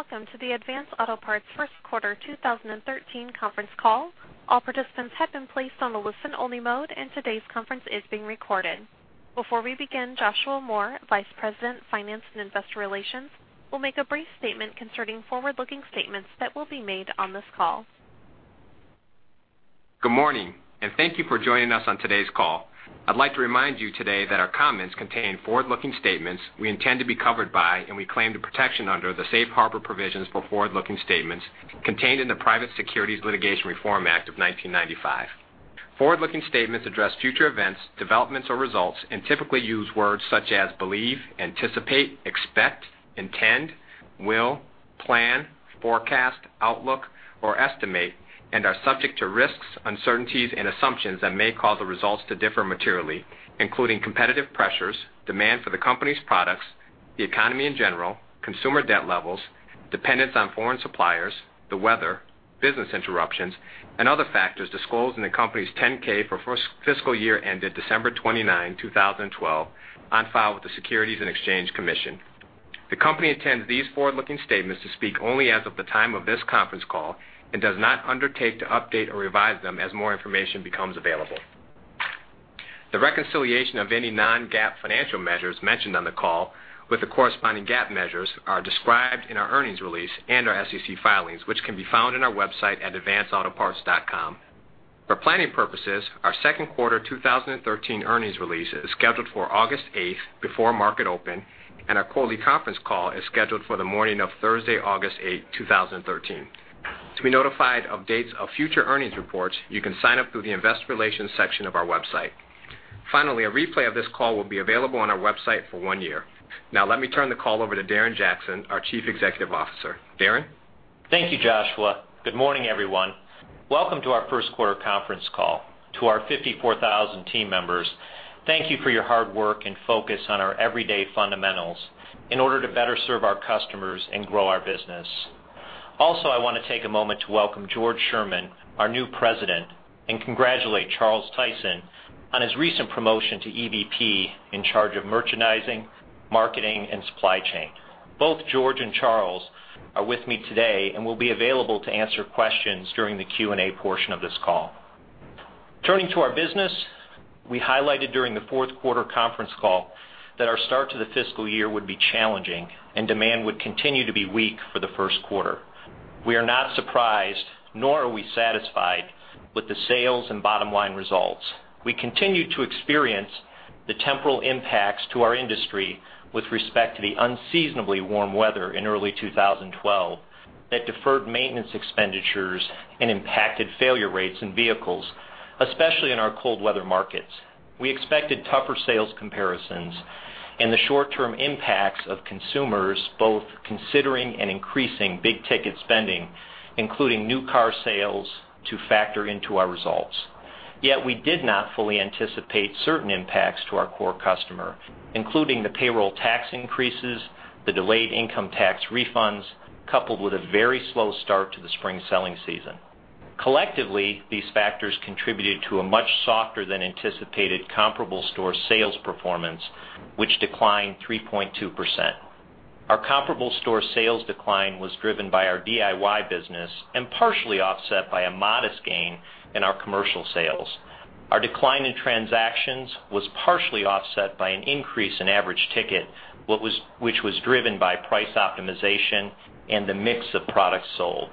Welcome to the Advance Auto Parts First Quarter 2013 Conference Call. All participants have been placed on the listen-only mode, and today's conference is being recorded. Before we begin, Joshua Moore, Vice President, Finance and Investor Relations, will make a brief statement concerning forward-looking statements that will be made on this call. Good morning, and thank you for joining us on today's call. I'd like to remind you today that our comments contain forward-looking statements we intend to be covered by, and we claim the protection under the safe harbor provisions for forward-looking statements contained in the Private Securities Litigation Reform Act of 1995. Forward-looking statements address future events, developments or results and typically use words such as believe, anticipate, expect, intend, will, plan, forecast, outlook, or estimate, and are subject to risks, uncertainties, and assumptions that may cause the results to differ materially, including competitive pressures, demand for the company's products, the economy in general, consumer debt levels, dependence on foreign suppliers, the weather, business interruptions, and other factors disclosed in the company's 10-K for fiscal year ended December 29, 2012, on file with the Securities and Exchange Commission. The company intends these forward-looking statements to speak only as of the time of this conference call and does not undertake to update or revise them as more information becomes available. The reconciliation of any non-GAAP financial measures mentioned on the call with the corresponding GAAP measures are described in our earnings release and our SEC filings, which can be found in our website at advanceautoparts.com. For planning purposes, our second quarter 2013 earnings release is scheduled for August 8th, before market open, and our quarterly conference call is scheduled for the morning of Thursday, August 8, 2013. To be notified of dates of future earnings reports, you can sign up through the investor relations section of our website. Finally, a replay of this call will be available on our website for one year. Now let me turn the call over to Darren Jackson, our Chief Executive Officer. Darren? Thank you, Joshua. Good morning, everyone. Welcome to our first-quarter conference call. To our 54,000 team members, thank you for your hard work and focus on our everyday fundamentals in order to better serve our customers and grow our business. Also, I want to take a moment to welcome George Sherman, our new President, and congratulate Charles Tyson on his recent promotion to EVP in charge of Merchandising, Marketing, and Supply Chain. Both George and Charles are with me today and will be available to answer questions during the Q&A portion of this call. Turning to our business, we highlighted during the fourth quarter conference call that our start to the fiscal year would be challenging and demand would continue to be weak for the first quarter. We are not surprised, nor are we satisfied with the sales and bottom-line results. We continue to experience the temporal impacts to our industry with respect to the unseasonably warm weather in early 2012 that deferred maintenance expenditures and impacted failure rates in vehicles, especially in our cold weather markets. We expected tougher sales comparisons and the short-term impacts of consumers both considering and increasing big-ticket spending, including new car sales, to factor into our results. Yet we did not fully anticipate certain impacts to our core customer, including the payroll tax increases, the delayed income tax refunds, coupled with a very slow start to the spring selling season. Collectively, these factors contributed to a much softer than anticipated comparable store sales performance, which declined 3.2%. Our comparable store sales decline was driven by our DIY business and partially offset by a modest gain in our commercial sales. Our decline in transactions was partially offset by an increase in average ticket, which was driven by price optimization and the mix of products sold.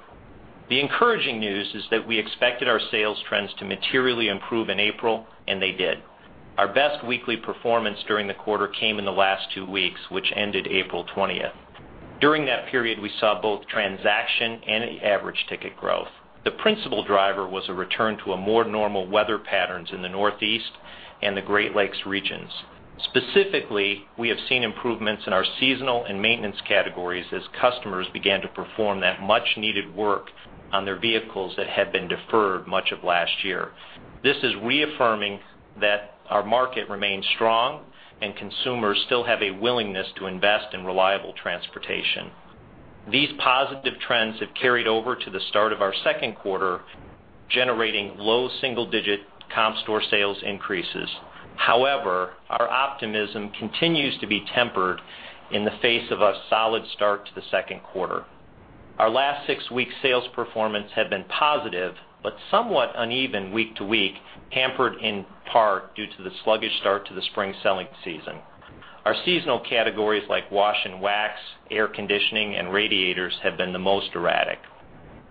The encouraging news is that we expected our sales trends to materially improve in April, and they did. Our best weekly performance during the quarter came in the last two weeks, which ended April 20th. During that period, we saw both transaction and average ticket growth. The principal driver was a return to a more normal weather patterns in the Northeast and the Great Lakes regions. Specifically, we have seen improvements in our seasonal and maintenance categories as customers began to perform that much-needed work on their vehicles that had been deferred much of last year. This is reaffirming that our market remains strong and consumers still have a willingness to invest in reliable transportation. These positive trends have carried over to the start of our second quarter, generating low single-digit comp store sales increases. Our optimism continues to be tempered in the face of a solid start to the second quarter. Our last six weeks' sales performance have been positive but somewhat uneven week to week, hampered in part due to the sluggish start to the spring selling season. Our seasonal categories like wash and wax, air conditioning, and radiators have been the most erratic.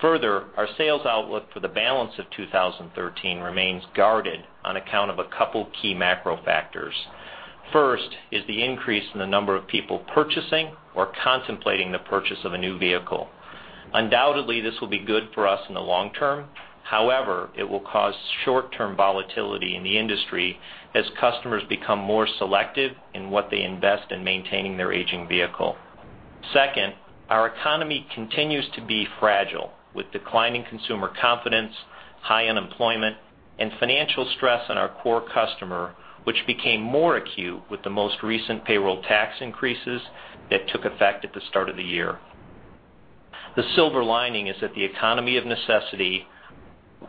Our sales outlook for the balance of 2013 remains guarded on account of a couple key macro factors. First is the increase in the number of people purchasing or contemplating the purchase of a new vehicle. Undoubtedly, this will be good for us in the long term. It will cause short-term volatility in the industry as customers become more selective in what they invest in maintaining their aging vehicle. Our economy continues to be fragile, with declining consumer confidence, high unemployment, and financial stress on our core customer, which became more acute with the most recent payroll tax increases that took effect at the start of the year. The silver lining is that the economy of necessity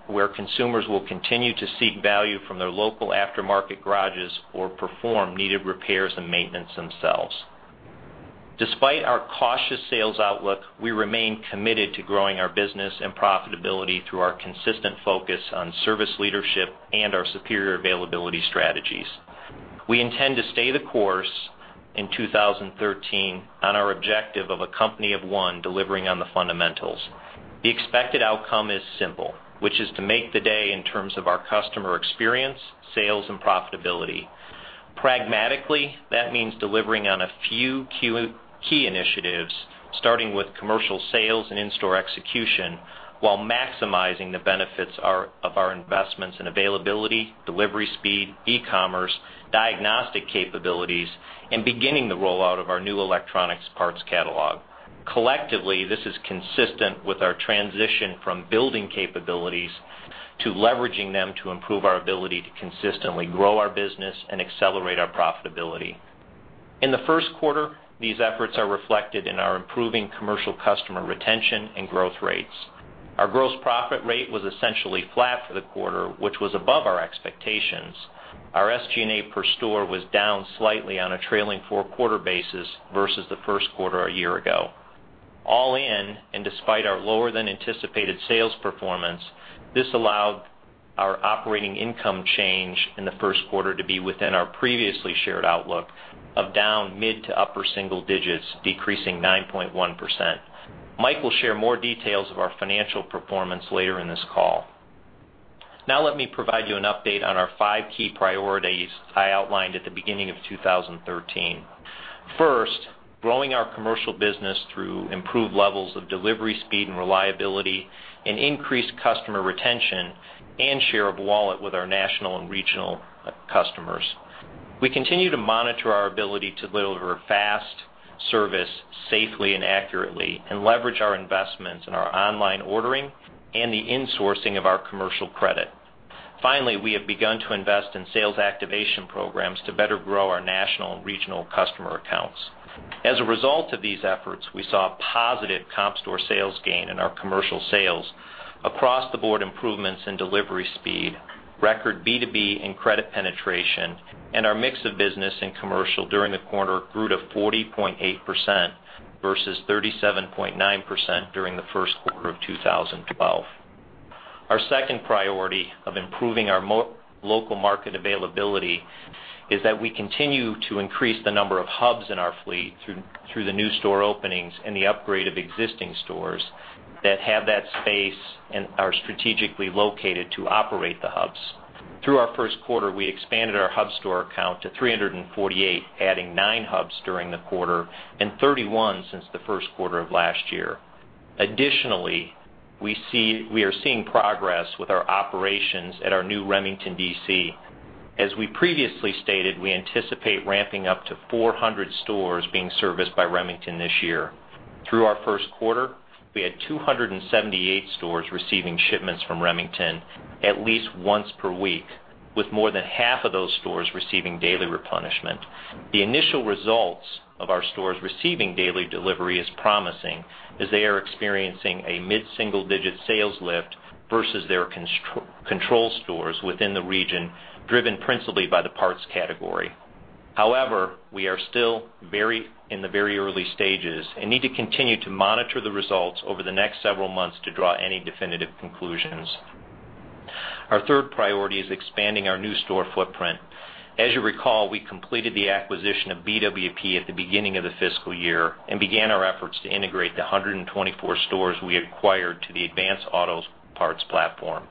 Where consumers will continue to seek value from their local aftermarket garages or perform needed repairs and maintenance themselves. Despite our cautious sales outlook, we remain committed to growing our business and profitability through our consistent focus on service leadership and our superior availability strategies. We intend to stay the course in 2013 on our objective of a company of one delivering on the fundamentals. The expected outcome is simple, which is to make the day in terms of our customer experience, sales, and profitability. Pragmatically, that means delivering on a few key initiatives, starting with commercial sales and in-store execution, while maximizing the benefits of our investments in availability, delivery speed, e-commerce, diagnostic capabilities, and beginning the rollout of our new electronics parts catalog. Collectively, this is consistent with our transition from building capabilities to leveraging them to improve our ability to consistently grow our business and accelerate our profitability. In the first quarter, these efforts are reflected in our improving commercial customer retention and growth rates. Our gross profit rate was essentially flat for the quarter, which was above our expectations. Our SG&A per store was down slightly on a trailing four-quarter basis versus the first quarter a year ago. All in, despite our lower-than-anticipated sales performance, this allowed our operating income change in the first quarter to be within our previously shared outlook of down mid- to upper single digits, decreasing 9.1%. Mike will share more details of our financial performance later in this call. Now let me provide you an update on our five key priorities I outlined at the beginning of 2013. First, growing our commercial business through improved levels of delivery speed and reliability, and increased customer retention and share of wallet with our national and regional customers. We continue to monitor our ability to deliver fast service safely and accurately and leverage our investments in our online ordering and the insourcing of our commercial credit. Finally, we have begun to invest in sales activation programs to better grow our national and regional customer accounts. As a result of these efforts, we saw positive comp store sales gain in our commercial sales, across-the-board improvements in delivery speed, record B2B and credit penetration, and our mix of business and commercial during the quarter grew to 40.8% versus 37.9% during the first quarter of 2012. Our second priority of improving our local market availability is that we continue to increase the number of hubs in our fleet through the new store openings and the upgrade of existing stores that have that space and are strategically located to operate the hubs. Through our first quarter, we expanded our hub store account to 348, adding nine hubs during the quarter and 31 since the first quarter of last year. Additionally, we are seeing progress with our operations at our new Remington DC. As we previously stated, we anticipate ramping up to 400 stores being serviced by Remington this year. Through our first quarter, we had 278 stores receiving shipments from Remington at least once per week, with more than half of those stores receiving daily replenishment. The initial results of our stores receiving daily delivery is promising as they are experiencing a mid-single-digit sales lift versus their control stores within the region, driven principally by the parts category. However, we are still in the very early stages and need to continue to monitor the results over the next several months to draw any definitive conclusions. Our third priority is expanding our new store footprint. As you recall, we completed the acquisition of BWP at the beginning of the fiscal year and began our efforts to integrate the 124 stores we acquired to the Advance Auto Parts platform.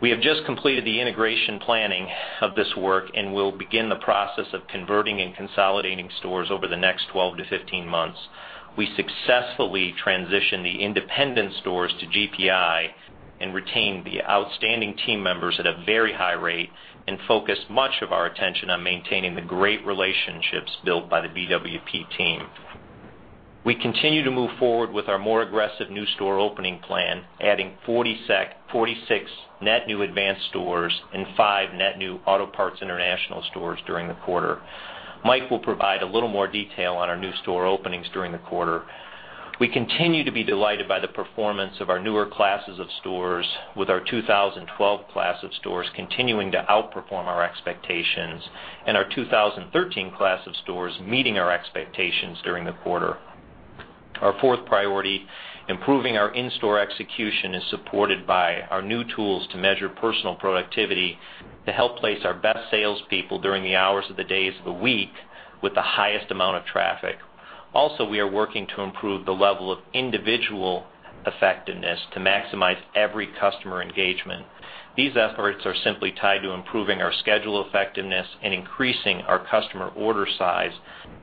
We have just completed the integration planning of this work and will begin the process of converting and consolidating stores over the next 12 to 15 months. We successfully transitioned the independent stores to GPI and retained the outstanding team members at a very high rate and focused much of our attention on maintaining the great relationships built by the BWP team. We continue to move forward with our more aggressive new store opening plan, adding 46 net new Advance stores and five net new Autopart International stores during the quarter. Mike will provide a little more detail on our new store openings during the quarter. We continue to be delighted by the performance of our newer classes of stores with our 2012 class of stores continuing to outperform our expectations and our 2013 class of stores meeting our expectations during the quarter. Our fourth priority, improving our in-store execution, is supported by our new tools to measure personal productivity to help place our best salespeople during the hours of the days of the week with the highest amount of traffic. Also, we are working to improve the level of individual effectiveness to maximize every customer engagement. These efforts are simply tied to improving our schedule effectiveness and increasing our customer order size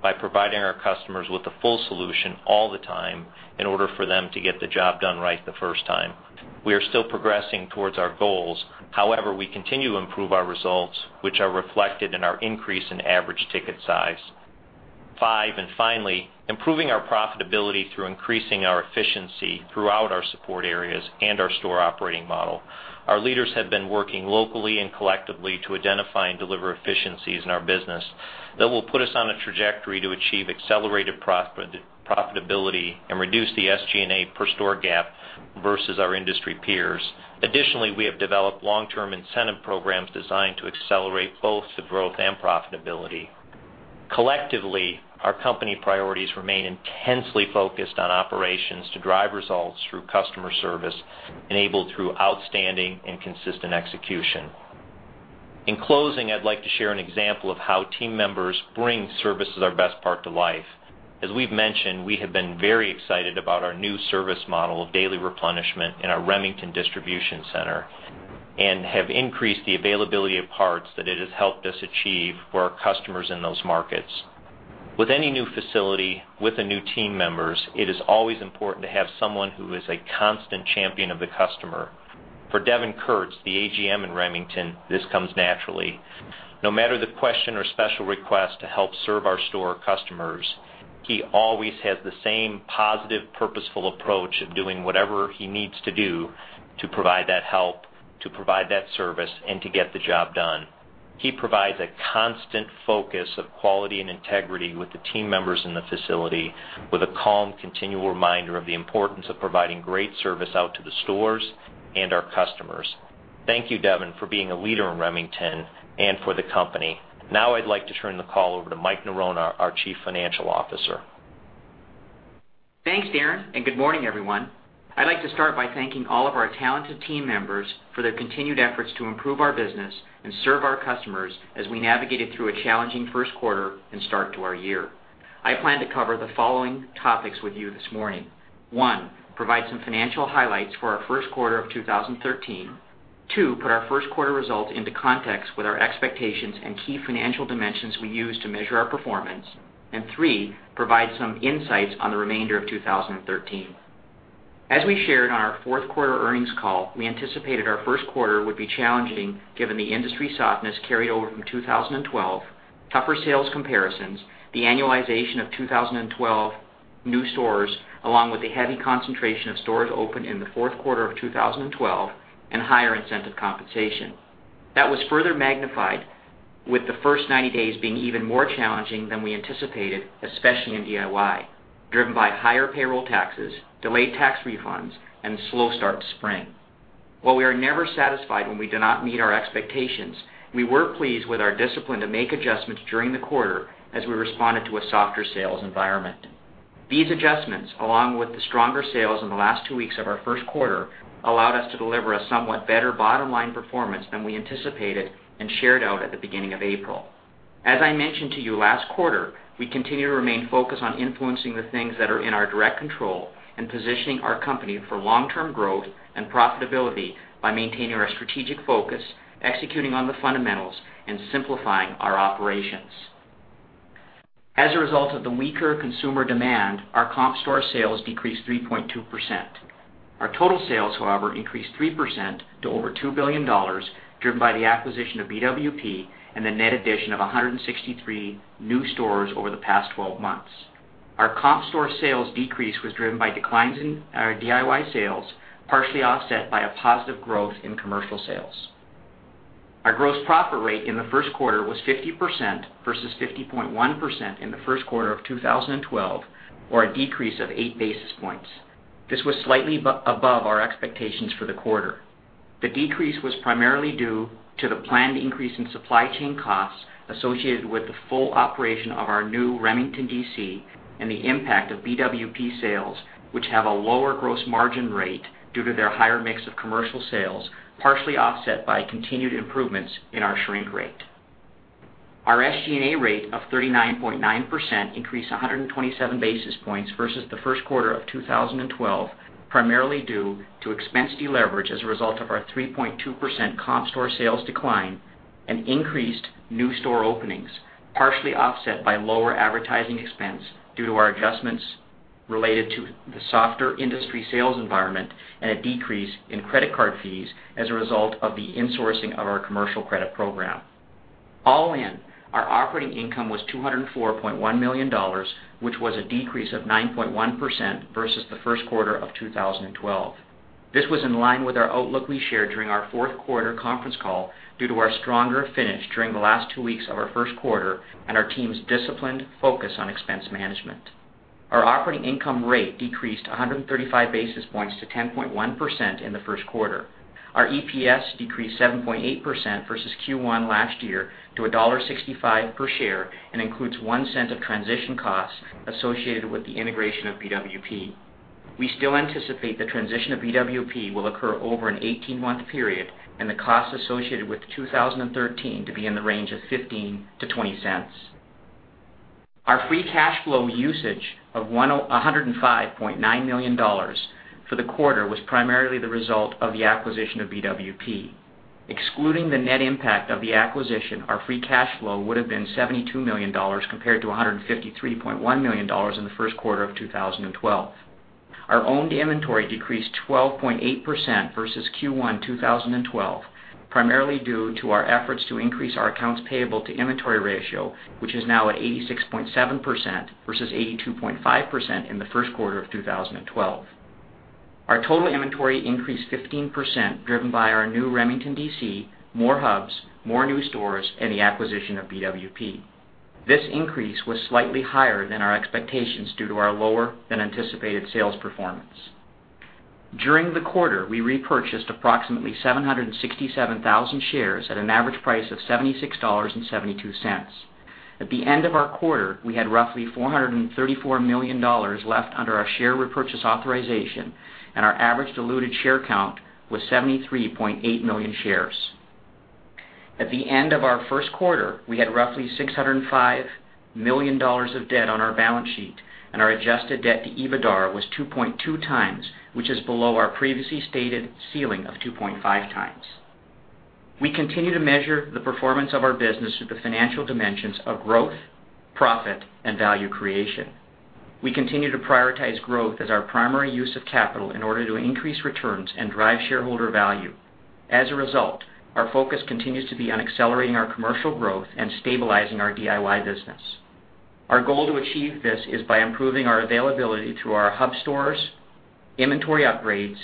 by providing our customers with a full solution all the time in order for them to get the job done right the first time. We are still progressing towards our goals. However, we continue to improve our results, which are reflected in our increase in average ticket size. Five, finally, improving our profitability through increasing our efficiency throughout our support areas and our store operating model. Our leaders have been working locally and collectively to identify and deliver efficiencies in our business that will put us on a trajectory to achieve accelerated profitability and reduce the SG&A per store gap versus our industry peers. Additionally, we have developed long-term incentive programs designed to accelerate both the growth and profitability. Collectively, our company priorities remain intensely focused on operations to drive results through customer service, enabled through outstanding and consistent execution. In closing, I'd like to share an example of how team members bring Service is Our Best Part to life. As we've mentioned, we have been very excited about our new service model of daily replenishment in our Remington distribution center and have increased the availability of parts that it has helped us achieve for our customers in those markets. With any new facility, with the new team members, it is always important to have someone who is a constant champion of the customer. For Devin Kurtz, the AGM in Remington, this comes naturally. No matter the question or special request to help serve our store customers, he always has the same positive, purposeful approach of doing whatever he needs to do to provide that help, to provide that service, and to get the job done. He provides a constant focus of quality and integrity with the team members in the facility with a calm, continual reminder of the importance of providing great service out to the stores and our customers. Thank you, Devin, for being a leader in Remington and for the company. Now I'd like to turn the call over to Mike Norona, our Chief Financial Officer. Thanks, Darren. Good morning, everyone. I'd like to start by thanking all of our talented team members for their continued efforts to improve our business and serve our customers as we navigated through a challenging first quarter and start to our year. I plan to cover the following topics with you this morning. One, provide some financial highlights for our first quarter of 2013. Two, put our first quarter results into context with our expectations and key financial dimensions we use to measure our performance. Three, provide some insights on the remainder of 2013. As we shared on our fourth quarter earnings call, we anticipated our first quarter would be challenging given the industry softness carried over from 2012, tougher sales comparisons, the annualization of 2012 new stores, along with the heavy concentration of stores opened in the fourth quarter of 2012 and higher incentive compensation. That was further magnified with the first 90 days being even more challenging than we anticipated, especially in DIY, driven by higher payroll taxes, delayed tax refunds, and slow start to spring. While we are never satisfied when we do not meet our expectations, we were pleased with our discipline to make adjustments during the quarter as we responded to a softer sales environment. These adjustments, along with the stronger sales in the last two weeks of our first quarter, allowed us to deliver a somewhat better bottom-line performance than we anticipated and shared out at the beginning of April. As I mentioned to you last quarter, we continue to remain focused on influencing the things that are in our direct control and positioning our company for long-term growth and profitability by maintaining our strategic focus, executing on the fundamentals, and simplifying our operations. As a result of the weaker consumer demand, our comp store sales decreased 3.2%. Our total sales, however, increased 3% to over $2 billion, driven by the acquisition of BWP and the net addition of 163 new stores over the past 12 months. Our comp store sales decrease was driven by declines in our DIY sales, partially offset by a positive growth in commercial sales. Our gross profit rate in the first quarter was 50% versus 50.1% in the first quarter of 2012, or a decrease of eight basis points. This was slightly above our expectations for the quarter. The decrease was primarily due to the planned increase in supply chain costs associated with the full operation of our new Remington DC and the impact of BWP sales, which have a lower gross margin rate due to their higher mix of commercial sales, partially offset by continued improvements in our shrink rate. Our SG&A rate of 39.9% increased 127 basis points versus the first quarter of 2012, primarily due to expense deleverage as a result of our 3.2% comp store sales decline and increased new store openings, partially offset by lower advertising expense due to our adjustments related to the softer industry sales environment and a decrease in credit card fees as a result of the insourcing of our commercial credit program. All in, our operating income was $204.1 million, which was a decrease of 9.1% versus the first quarter of 2012. This was in line with our outlook we shared during our fourth quarter conference call due to our stronger finish during the last two weeks of our first quarter and our team's disciplined focus on expense management. Our operating income rate decreased 135 basis points to 10.1% in the first quarter. Our EPS decreased 7.8% versus Q1 last year to $1.65 per share and includes $0.01 of transition costs associated with the integration of BWP. We still anticipate the transition of BWP will occur over an 18-month period and the cost associated with 2013 to be in the range of $0.15-$0.20. Our free cash flow usage of $105.9 million for the quarter was primarily the result of the acquisition of BWP. Excluding the net impact of the acquisition, our free cash flow would have been $72 million compared to $153.1 million in the first quarter of 2012. Our owned inventory decreased 12.8% versus Q1 2012, primarily due to our efforts to increase our accounts payable to inventory ratio, which is now at 86.7% versus 82.5% in the first quarter of 2012. Our total inventory increased 15%, driven by our new Remington DC, more hubs, more new stores, and the acquisition of BWP. This increase was slightly higher than our expectations due to our lower than anticipated sales performance. During the quarter, we repurchased approximately 767,000 shares at an average price of $76.72. At the end of our quarter, we had roughly $434 million left under our share repurchase authorization, and our average diluted share count was 73.8 million shares. At the end of our first quarter, we had roughly $605 million of debt on our balance sheet, and our adjusted debt to EBITDA was 2.2 times, which is below our previously stated ceiling of 2.5 times. We continue to measure the performance of our business through the financial dimensions of growth, profit, and value creation. We continue to prioritize growth as our primary use of capital in order to increase returns and drive shareholder value. As a result, our focus continues to be on accelerating our commercial growth and stabilizing our DIY business. Our goal to achieve this is by improving our availability through our hub stores, inventory upgrades,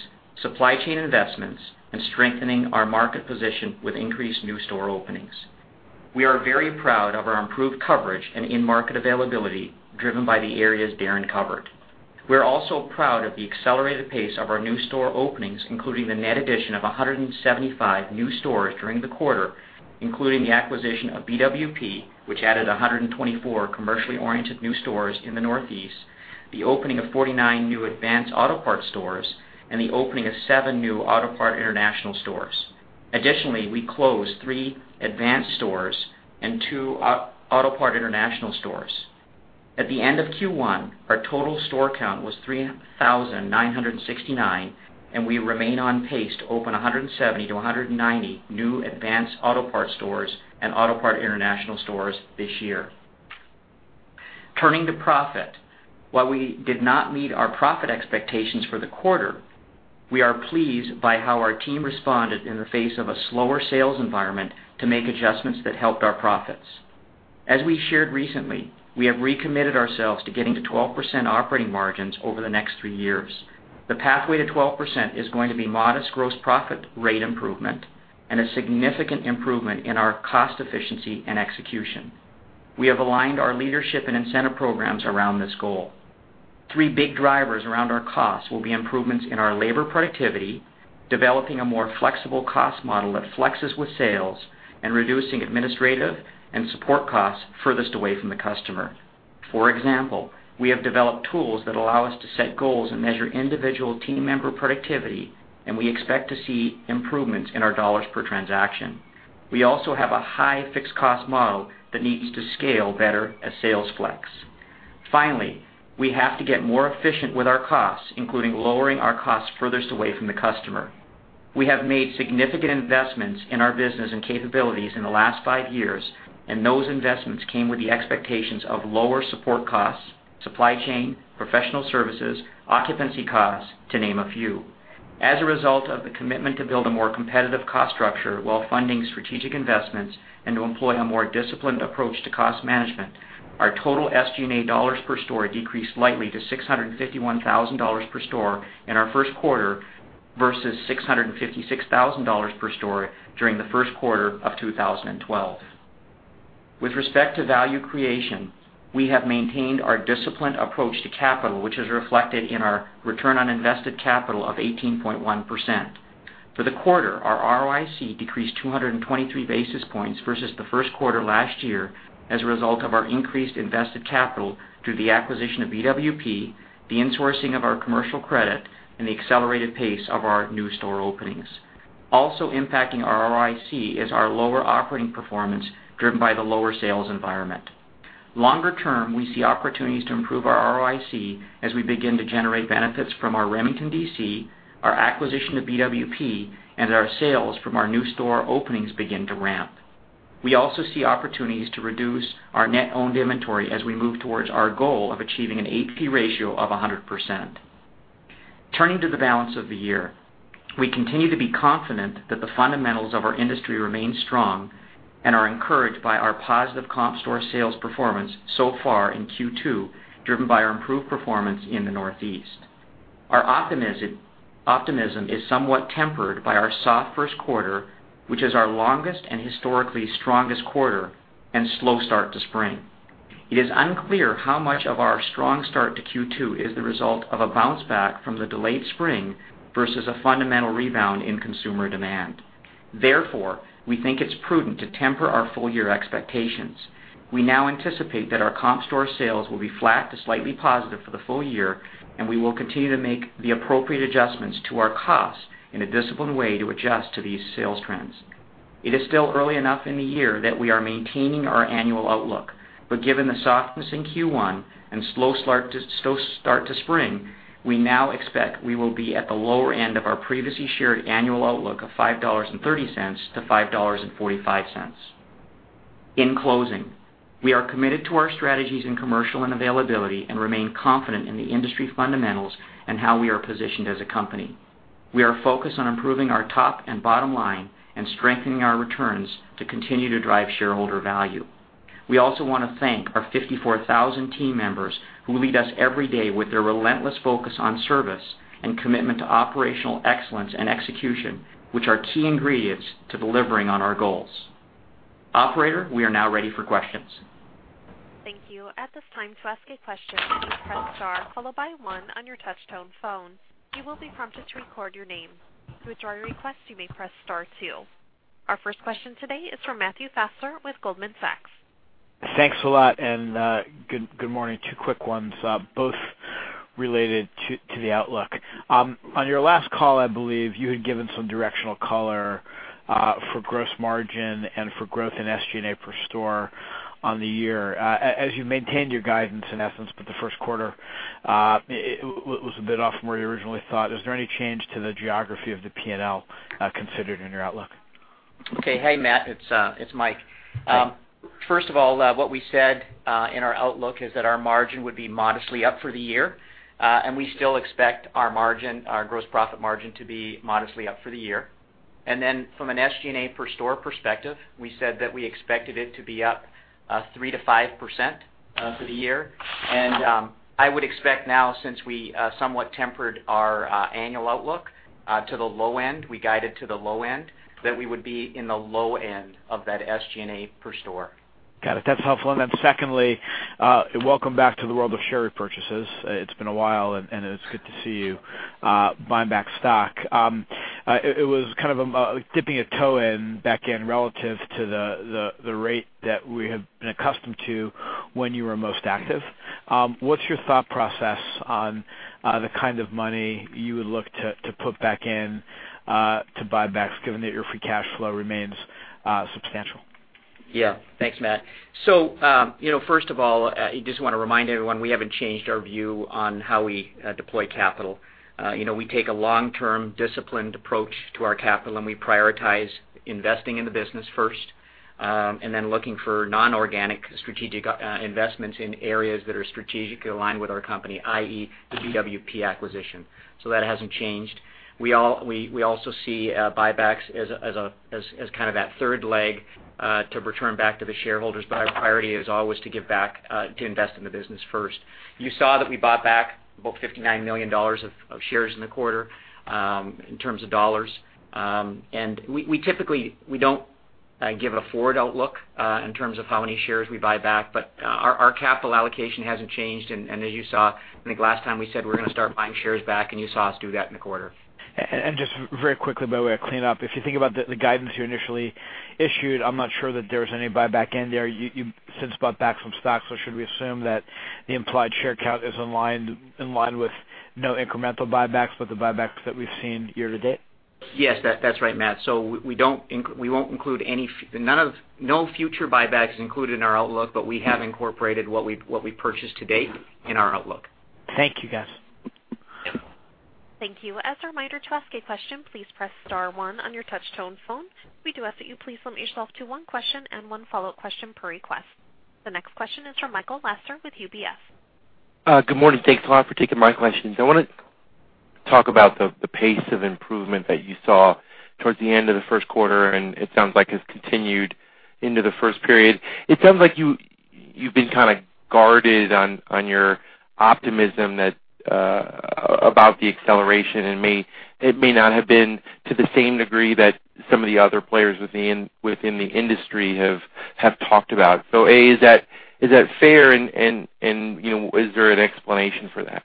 supply chain investments, and strengthening our market position with increased new store openings. We are very proud of our improved coverage and in-market availability driven by the areas Darren covered. We're also proud of the accelerated pace of our new store openings, including the net addition of 175 new stores during the quarter, including the acquisition of BWP, which added 124 commercially oriented new stores in the Northeast, the opening of 49 new Advance Auto Parts stores, and the opening of seven new Autopart International stores. Additionally, we closed three Advance stores and two Autopart International stores. At the end of Q1, our total store count was 3,969, and we remain on pace to open 170 to 190 new Advance Auto Parts stores and Autopart International stores this year. Turning to profit. While we did not meet our profit expectations for the quarter, we are pleased by how our team responded in the face of a slower sales environment to make adjustments that helped our profits. As we shared recently, we have recommitted ourselves to getting to 12% operating margins over the next three years. The pathway to 12% is going to be modest gross profit rate improvement and a significant improvement in our cost efficiency and execution. We have aligned our leadership and incentive programs around this goal. Three big drivers around our costs will be improvements in our labor productivity, developing a more flexible cost model that flexes with sales, and reducing administrative and support costs furthest away from the customer. For example, we have developed tools that allow us to set goals and measure individual team member productivity, and we expect to see improvements in our dollars per transaction. We also have a high fixed cost model that needs to scale better as sales flex. We have to get more efficient with our costs, including lowering our costs furthest away from the customer. We have made significant investments in our business and capabilities in the last five years, and those investments came with the expectations of lower support costs, supply chain, professional services, occupancy costs, to name a few. As a result of the commitment to build a more competitive cost structure while funding strategic investments and to employ a more disciplined approach to cost management, our total SG&A dollars per store decreased slightly to $651,000 per store in our first quarter versus $656,000 per store during the first quarter of 2012. With respect to value creation, we have maintained our disciplined approach to capital, which is reflected in our return on invested capital of 18.1%. For the quarter, our ROIC decreased 223 basis points versus the first quarter last year as a result of our increased invested capital through the acquisition of BWP, the insourcing of our commercial credit, and the accelerated pace of our new store openings. Also impacting our ROIC is our lower operating performance driven by the lower sales environment. Longer term, we see opportunities to improve our ROIC as we begin to generate benefits from our Remington DC, our acquisition of BWP, and our sales from our new store openings begin to ramp. We also see opportunities to reduce our net owned inventory as we move towards our goal of achieving an AP ratio of 100%. Turning to the balance of the year. We continue to be confident that the fundamentals of our industry remain strong and are encouraged by our positive comp store sales performance so far in Q2, driven by our improved performance in the Northeast. Our optimism is somewhat tempered by our soft first quarter, which is our longest and historically strongest quarter and slow start to spring. It is unclear how much of our strong start to Q2 is the result of a bounce back from the delayed spring versus a fundamental rebound in consumer demand. We think it's prudent to temper our full year expectations. We now anticipate that our comp store sales will be flat to slightly positive for the full year, and we will continue to make the appropriate adjustments to our costs in a disciplined way to adjust to these sales trends. It is still early enough in the year that we are maintaining our annual outlook. Given the softness in Q1 and slow start to spring, we now expect we will be at the lower end of our previously shared annual outlook of $5.30-$5.45. In closing, we are committed to our strategies in commercial and availability and remain confident in the industry fundamentals and how we are positioned as a company. We are focused on improving our top and bottom line and strengthening our returns to continue to drive shareholder value. We also want to thank our 54,000 team members who lead us every day with their relentless focus on service and commitment to operational excellence and execution, which are key ingredients to delivering on our goals. Operator, we are now ready for questions. Thank you. At this time, to ask a question, please press Star 1 on your touch-tone phone. You will be prompted to record your name. To withdraw your request, you may press Star 2. Our first question today is from Matthew Fassler with Goldman Sachs. Thanks a lot and good morning. Two quick ones, both related to the outlook. On your last call, I believe you had given some directional color for gross margin and for growth in SG&A per store on the year. As you maintained your guidance, in essence, the first quarter was a bit off from where you originally thought. Is there any change to the geography of the P&L considered in your outlook? Okay. Hey, Matt, it's Mike. Hi. First of all, what we said in our outlook is that our margin would be modestly up for the year. We still expect our gross profit margin to be modestly up for the year. From an SG&A per store perspective, we said that we expected it to be up 3%-5% for the year. I would expect now since we somewhat tempered our annual outlook to the low end, we guided to the low end, that we would be in the low end of that SG&A per store. Got it. That's helpful. Secondly, welcome back to the world of share repurchases. It's been a while. It's good to see you buying back stock. It was kind of dipping a toe in, back in relative to the rate that we have been accustomed to when you were most active. What's your thought process on the kind of money you would look to put back in to buybacks, given that your free cash flow remains substantial? Yeah. Thanks, Matt. First of all, I just want to remind everyone, we haven't changed our view on how we deploy capital. We take a long-term, disciplined approach to our capital. We prioritize investing in the business first, and then looking for non-organic strategic investments in areas that are strategically aligned with our company, i.e., the BWP acquisition. That hasn't changed. We also see buybacks as kind of that third leg, to return back to the shareholders. Our priority is always to give back, to invest in the business first. You saw that we bought back about $59 million of shares in the quarter, in terms of dollars. We typically don't give a forward outlook, in terms of how many shares we buy back. Our capital allocation hasn't changed. As you saw, I think last time we said we're going to start buying shares back. You saw us do that in the quarter. Just very quickly, by way of cleanup, if you think about the guidance you initially issued, I'm not sure that there's any buyback in there. You've since bought back some stocks, so should we assume that the implied share count is in line with no incremental buybacks but the buybacks that we've seen year-to-date? Yes, that's right, Matt. No future buyback is included in our outlook, but we have incorporated what we've purchased to-date in our outlook. Thank you, guys. Thank you. As a reminder, to ask a question, please press Star one on your touch-tone phone. We do ask that you please limit yourself to one question and one follow-up question per request. The next question is from Michael Lasser with UBS. Good morning. Thanks a lot for taking my questions. I want to talk about the pace of improvement that you saw towards the end of the first quarter, and it sounds like it's continued into the first period. It sounds like you've been kind of guarded on your optimism about the acceleration, and it may not have been to the same degree that some of the other players within the industry have talked about. Is that fair and is there an explanation for that?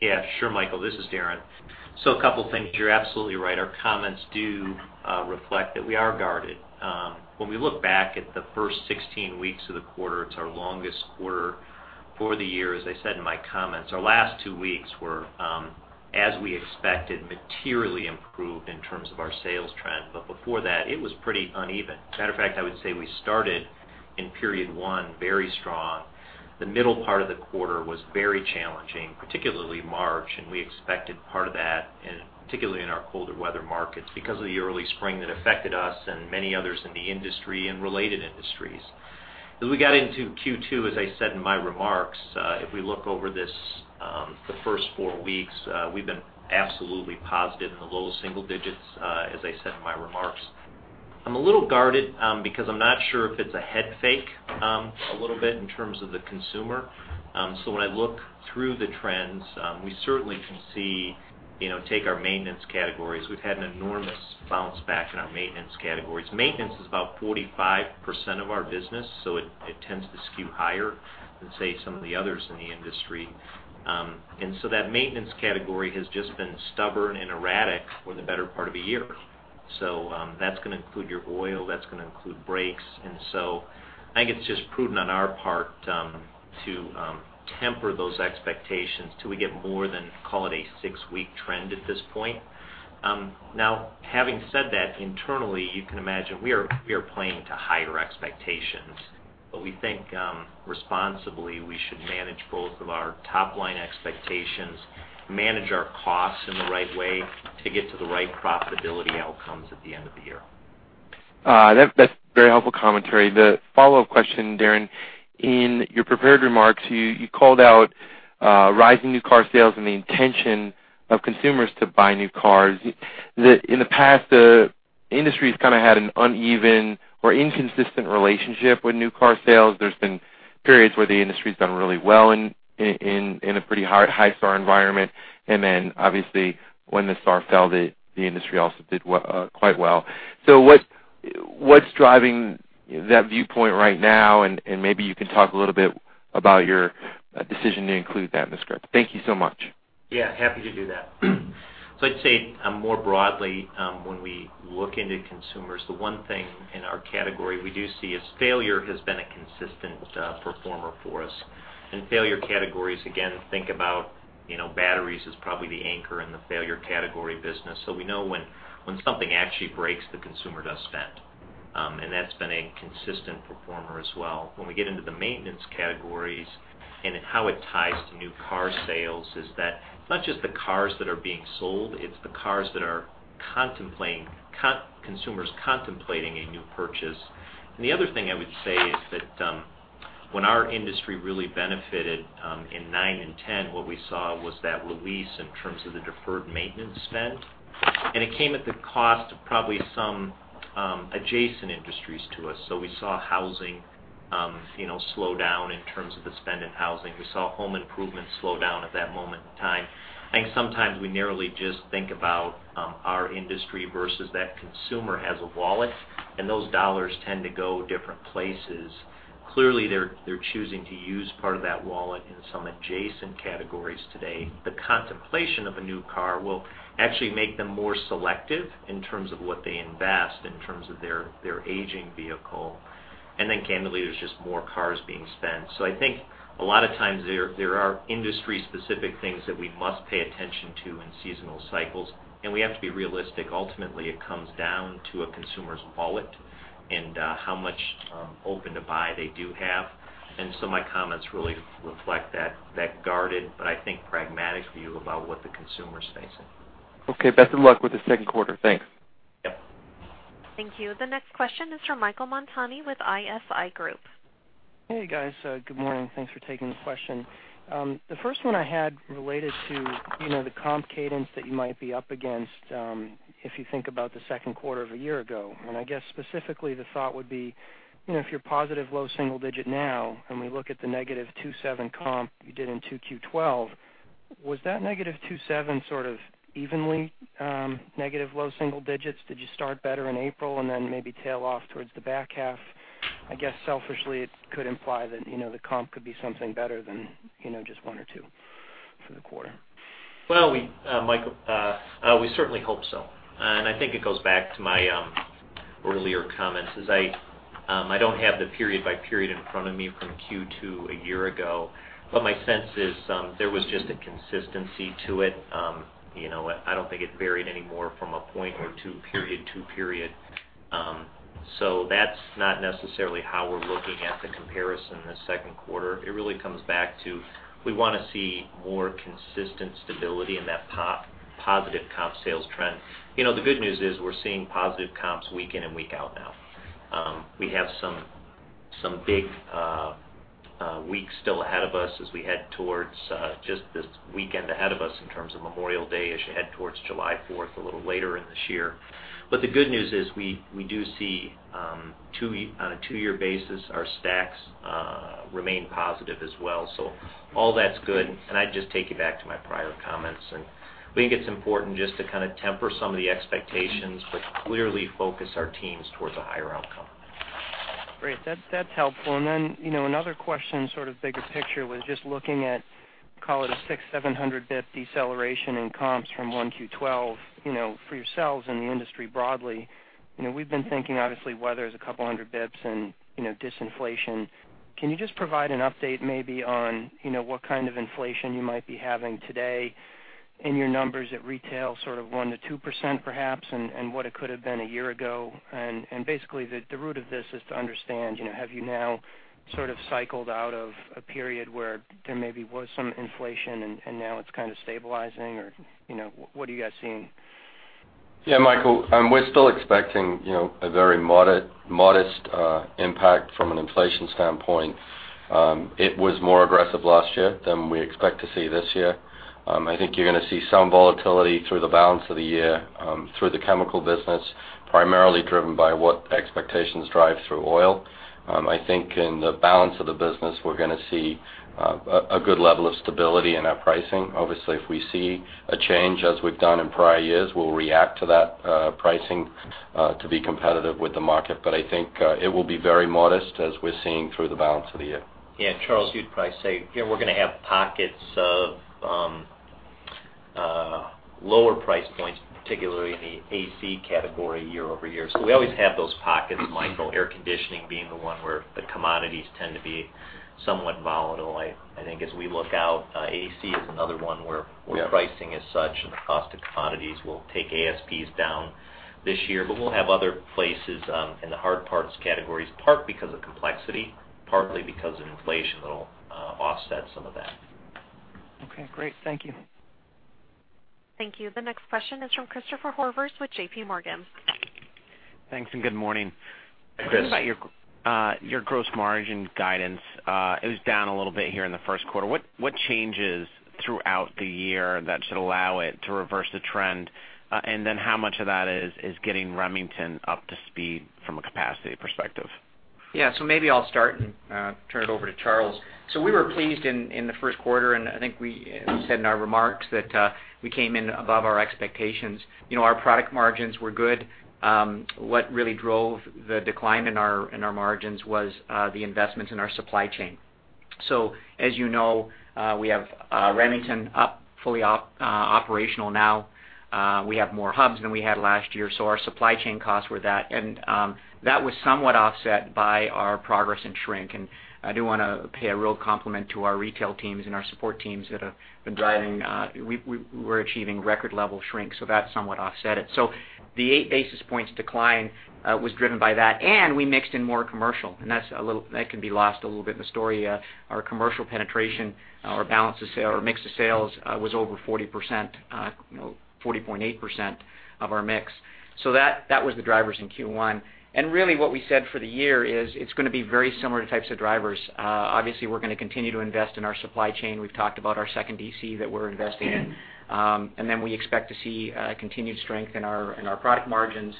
Yeah, sure, Michael, this is Darren. A couple things. You're absolutely right. Our comments do reflect that we are guarded. When we look back at the first 16 weeks of the quarter, it's our longest quarter for the year. As I said in my comments, our last two weeks were, as we expected, materially improved in terms of our sales trend. Before that, it was pretty uneven. Matter of fact, I would say we started in period one very strong. The middle part of the quarter was very challenging, particularly March, and we expected part of that, particularly in our colder weather markets, because of the early spring that affected us and many others in the industry and related industries. As we got into Q2, as I said in my remarks, if we look over the first four weeks, we've been absolutely positive in the low single digits, as I said in my remarks. I'm a little guarded because I'm not sure if it's a head fake a little bit in terms of the consumer. When I look through the trends, we certainly can see, take our maintenance categories. We've had an enormous bounce back in our maintenance categories. Maintenance is about 45% of our business, so it tends to skew higher than, say, some of the others in the industry. That maintenance category has just been stubborn and erratic for the better part of a year. That's going to include your oil, that's going to include brakes. I think it's just prudent on our part to temper those expectations till we get more than, call it a six-week trend at this point. Now, having said that, internally, you can imagine we are playing to higher expectations. We think responsibly we should manage both of our top-line expectations, manage our costs in the right way to get to the right profitability outcomes at the end of the year. That's very helpful commentary. The follow-up question, Darren, in your prepared remarks, you called out rising new car sales and the intention of consumers to buy new cars. In the past, the industry's kind of had an uneven or inconsistent relationship with new car sales. There's been periods where the industry's done really well in a pretty high SAR environment. Obviously when the SAR fell, the industry also did quite well. What's driving that viewpoint right now? Maybe you can talk a little bit about your decision to include that in the script. Thank you so much. Yeah, happy to do that. I'd say, more broadly, when we look into consumers, the one thing in our category we do see is failure has been a consistent performer for us. Failure categories, again, think about batteries is probably the anchor in the failure category business. We know when something actually breaks, the consumer does spend. That's been a consistent performer as well. When we get into the maintenance categories and how it ties to new car sales, is that it's not just the cars that are being sold, it's the consumers contemplating a new purchase. The other thing I would say is that when our industry really benefited in 2009 and 2010, what we saw was that release in terms of the deferred maintenance spend, it came at the cost of probably some adjacent industries to us. We saw housing slow down in terms of the spend in housing. We saw home improvement slow down at that moment in time. I think sometimes we narrowly just think about our industry versus that consumer has a wallet and those dollars tend to go different places. Clearly, they're choosing to use part of that wallet in some adjacent categories today. The contemplation of a new car will actually make them more selective in terms of what they invest, in terms of their aging vehicle. Candidly, there's just more cars being spent. I think a lot of times, there are industry-specific things that we must pay attention to in seasonal cycles, we have to be realistic. Ultimately, it comes down to a consumer's wallet and how much open to buy they do have. My comments really reflect that guarded, but I think pragmatic view about what the consumer's facing. Okay. Best of luck with the second quarter. Thanks. Yep. Thank you. The next question is from Michael Montani with ISI Group. Hey, guys. Good morning. Thanks for taking the question. The first one I had related to the comp cadence that you might be up against, if you think about the second quarter of a year ago. I guess specifically the thought would be, if you're positive low single digit now, and we look at the negative 2.7 comp you did in 2Q 2012, was that negative 2.7 sort of evenly negative low single digits? Did you start better in April and then maybe tail off towards the back half? I guess selfishly, it could imply that the comp could be something better than just one or two for the quarter. Well, Michael, we certainly hope so, I think it goes back to my earlier comments is I don't have the period by period in front of me from Q2 a year ago, but my sense is there was just a consistency to it. I don't think it varied any more from a point or two period to period. That's not necessarily how we're looking at the comparison this second quarter. It really comes back to, we want to see more consistent stability in that positive comp sales trend. The good news is we're seeing positive comps week in and week out now. We have some big weeks still ahead of us as we head towards just this weekend ahead of us in terms of Memorial Day as you head towards July 4th, a little later in this year. The good news is we do see on a two-year basis, our stacks remain positive as well. All that's good, and I'd just take you back to my prior comments, and I think it's important just to kind of temper some of the expectations, but clearly focus our teams towards a higher outcome. Great. That's helpful. Another question, sort of bigger picture, was just looking at, call it a 600, 700 basis points deceleration in comps from 1Q 2012 for yourselves and the industry broadly. We've been thinking obviously weather's a couple of hundred basis points and disinflation. Can you just provide an update maybe on what kind of inflation you might be having today in your numbers at retail, sort of 1%-2% perhaps, and what it could have been a year ago? Basically, the root of this is to understand, have you now sort of cycled out of a period where there maybe was some inflation and now it's kind of stabilizing? Or what are you guys seeing? Yeah, Michael, we're still expecting a very modest impact from an inflation standpoint. It was more aggressive last year than we expect to see this year. I think you're going to see some volatility through the balance of the year through the chemical business, primarily driven by what expectations drive through oil. I think in the balance of the business, we're going to see a good level of stability in our pricing. Obviously, if we see a change, as we've done in prior years, we'll react to that pricing to be competitive with the market. I think it will be very modest as we're seeing through the balance of the year. Yeah, Charles, you'd probably say we're going to have pockets of lower price points, particularly in the AC category year-over-year. We always have those pockets, Michael, air conditioning being the one where the commodities tend to be somewhat volatile. I think as we look out, AC is another one where pricing is such and the cost of commodities will take ASPs down this year. We'll have other places in the hard parts categories, part because of complexity, partly because of inflation that'll offset some of that. Okay, great. Thank you. Thank you. The next question is from Chris Horvers with JPMorgan. Thanks, good morning. Chris. Thinking about your gross margin guidance, it was down a little bit here in the first quarter. What changes throughout the year that should allow it to reverse the trend? How much of that is getting Remington up to speed from a capacity perspective? Maybe I'll start and turn it over to Charles. We were pleased in the first quarter, and I think we said in our remarks that we came in above our expectations. Our product margins were good. What really drove the decline in our margins was the investments in our supply chain. As you know, we have Remington fully operational now. We have more hubs than we had last year, so our supply chain costs were that. That was somewhat offset by our progress in shrink. I do want to pay a real compliment to our retail teams and our support teams that have been driving. We're achieving record-level shrink, so that somewhat offset it. The eight basis points decline was driven by that, and we mixed in more commercial, and that can be lost a little bit in the story. Our commercial penetration, our balance of sale or mix of sales, was over 40%, 40.8% of our mix. That was the drivers in Q1. Really what we said for the year is it's going to be very similar types of drivers. Obviously, we're going to continue to invest in our supply chain. We've talked about our second DC that we're investing in. Then we expect to see continued strength in our product margins,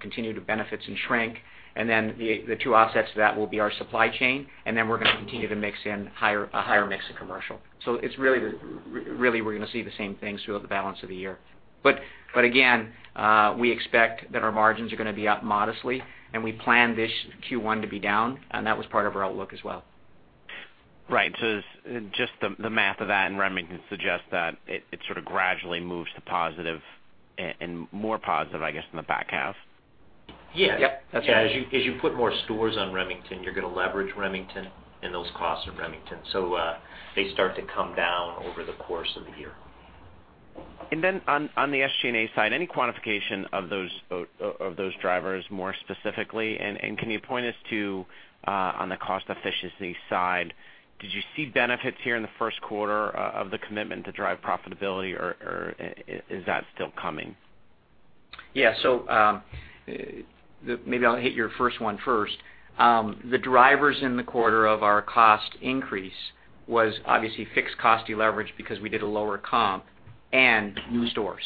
continued benefits in shrink. Then the two offsets to that will be our supply chain, and then we're going to continue to mix in a higher mix of commercial. Really, we're going to see the same things throughout the balance of the year. Again, we expect that our margins are going to be up modestly, and we plan this Q1 to be down, and that was part of our outlook as well. Right. Just the math of that and Remington suggests that it sort of gradually moves to positive and more positive, I guess, in the back half. Yes. Yep. That's right. As you put more stores on Remington, you're going to leverage Remington and those costs of Remington. They start to come down over the course of the year. On the SG&A side, any quantification of those drivers more specifically, and can you point us to, on the cost efficiency side, did you see benefits here in the first quarter of the commitment to drive profitability, or is that still coming? Yeah. Maybe I'll hit your first one first. The drivers in the quarter of our cost increase was obviously fixed cost deleverage because we did a lower comp and new stores.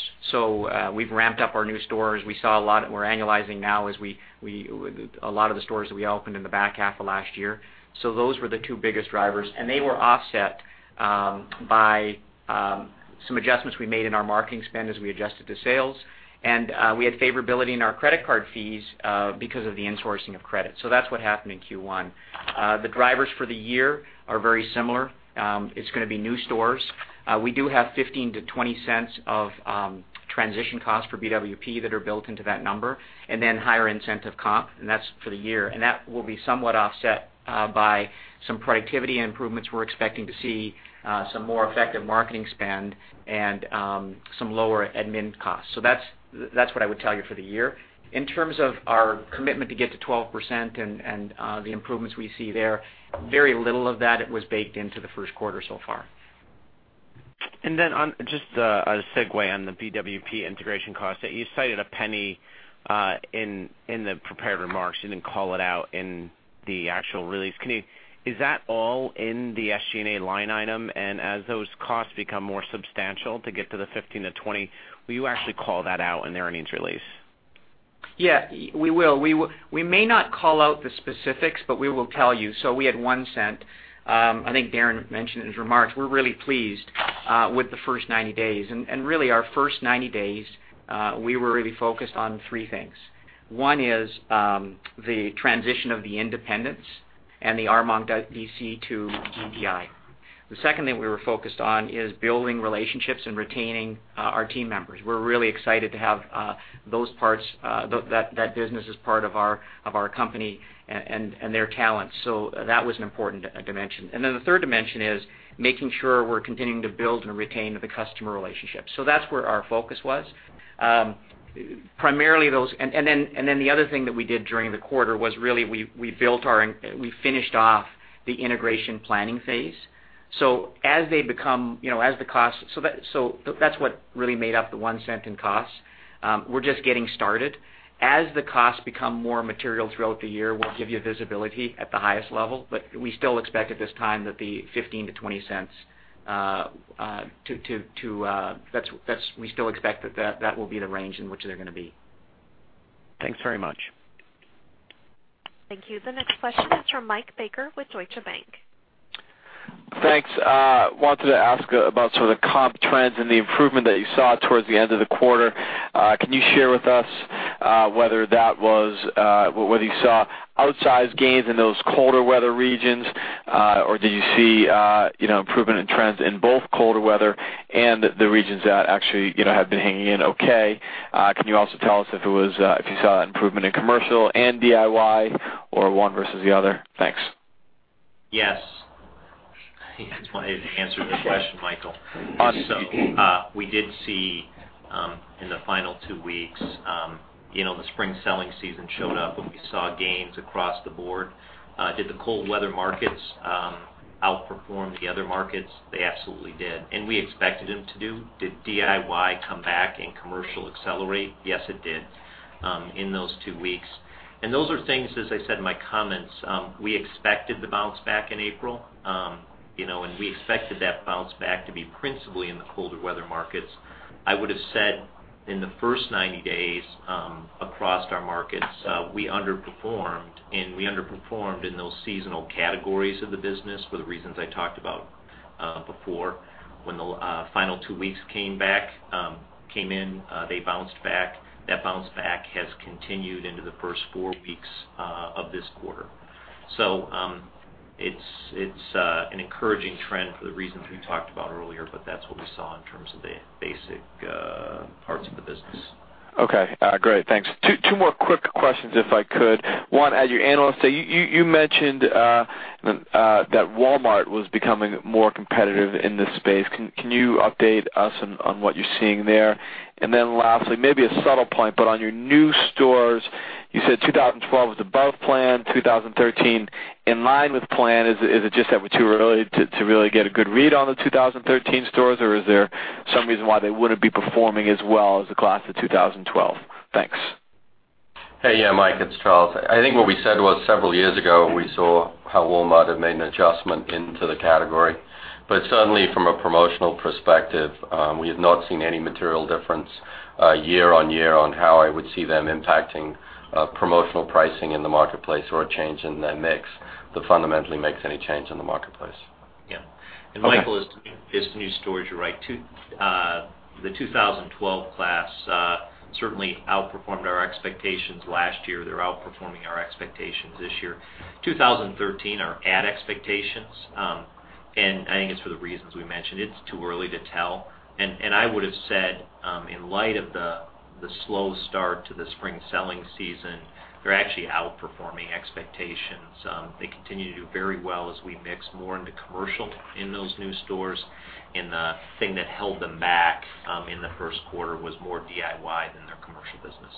We've ramped up our new stores. We're annualizing now a lot of the stores that we opened in the back half of last year. Those were the two biggest drivers, and they were offset by some adjustments we made in our marketing spend as we adjusted to sales. We had favorability in our credit card fees because of the insourcing of credit. That's what happened in Q1. The drivers for the year are very similar. It's going to be new stores. We do have $0.15-$0.20 of transition costs for BWP that are built into that number, higher incentive comp, and that's for the year. That will be somewhat offset by some productivity improvements we're expecting to see, some more effective marketing spend, and some lower admin costs. That's what I would tell you for the year. In terms of our commitment to get to 12% and the improvements we see there, very little of that was baked into the first quarter so far. Just a segue on the BWP integration cost, you cited $0.01 in the prepared remarks. You didn't call it out in the actual release. Is that all in the SG&A line item? As those costs become more substantial to get to the $0.15-$0.20, will you actually call that out in the earnings release? Yeah, we will. We may not call out the specifics, but we will tell you. We had $0.01. I think Darren mentioned in his remarks, we're really pleased with the first 90 days. Really, our first 90 days, we were really focused on three things. One is the transition of the independents and the Armonk DC to API. The second thing we were focused on is building relationships and retaining our team members. We're really excited to have that business as part of our company and their talents. That was an important dimension. The third dimension is making sure we're continuing to build and retain the customer relationships. That's where our focus was. The other thing that we did during the quarter was really we finished off the integration planning phase. That's what really made up the $0.01 in costs. We're just getting started. As the costs become more material throughout the year, we'll give you visibility at the highest level. We still expect at this time that the $0.15-$0.20, we still expect that will be the range in which they're going to be. Thanks very much. Thank you. The next question is from Michael Baker with Deutsche Bank. Thanks. Wanted to ask about sort of comp trends and the improvement that you saw towards the end of the quarter. Can you share with us whether you saw outsized gains in those colder weather regions? Do you see improvement in trends in both colder weather and the regions that actually have been hanging in okay? Can you also tell us if you saw improvement in commercial and DIY or one versus the other? Thanks. Yes. Wanted to answer the question, Michael. Awesome. We did see in the final two weeks, the spring selling season showed up, and we saw gains across the board. Did the cold weather markets outperform the other markets? They absolutely did, and we expected them to do. Did DIY come back and commercial accelerate? Yes, it did in those two weeks. Those are things, as I said in my comments, we expected the bounce back in April. We expected that bounce back to be principally in the colder weather markets. I would have said. In the first 90 days across our markets, we underperformed, and we underperformed in those seasonal categories of the business for the reasons I talked about before. When the final two weeks came in, they bounced back. That bounce back has continued into the first four weeks of this quarter. It's an encouraging trend for the reasons we talked about earlier, but that's what we saw in terms of the basic parts of the business. Okay, great. Thanks. Two more quick questions, if I could. One, as your analyst, you mentioned that Walmart was becoming more competitive in this space. Can you update us on what you're seeing there? Lastly, maybe a subtle point, but on your new stores, you said 2012 was above plan, 2013 in line with plan. Is it just that we're too early to really get a good read on the 2013 stores, or is there some reason why they wouldn't be performing as well as the class of 2012? Thanks. Hey, Mike, it's Charles. I think what we said was several years ago, we saw how Walmart had made an adjustment into the category. Certainly, from a promotional perspective, we have not seen any material difference year on year on how I would see them impacting promotional pricing in the marketplace or a change in their mix that fundamentally makes any change in the marketplace. Yeah. Okay. Michael, as to new stores, you're right. The 2012 class certainly outperformed our expectations last year. They're outperforming our expectations this year. 2013 are at expectations, and I think it's for the reasons we mentioned. It's too early to tell. I would've said, in light of the slow start to the spring selling season, they're actually outperforming expectations. They continue to do very well as we mix more into commercial in those new stores. The thing that held them back in the first quarter was more DIY than their commercial business.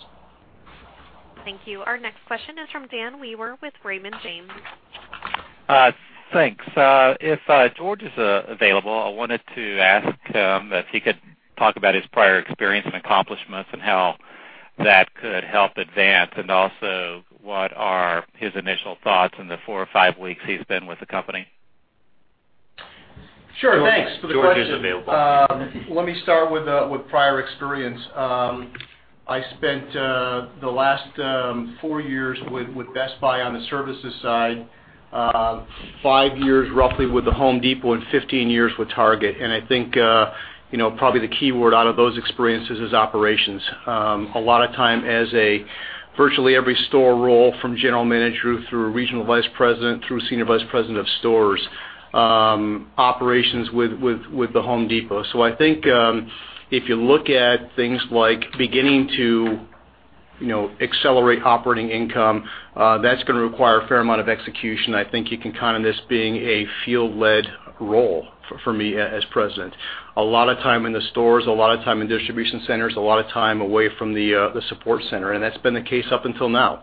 Thank you. Our next question is from Dan Weaver with Raymond James. Thanks. If George is available, I wanted to ask him if he could talk about his prior experience and accomplishments and how that could help Advance, and also what are his initial thoughts in the four or five weeks he's been with the company? Sure. Thanks for the question. George is available. Let me start with prior experience. I spent the last four years with Best Buy on the services side, five years roughly with The Home Depot, and 15 years with Target. I think probably the keyword out of those experiences is operations. A lot of time as a virtually every store role from general manager through regional vice president through senior vice president of stores, operations with The Home Depot. I think if you look at things like beginning to accelerate operating income, that's going to require a fair amount of execution. I think you can count on this being a field-led role for me as president. A lot of time in the stores, a lot of time in distribution centers, a lot of time away from the support center, and that's been the case up until now.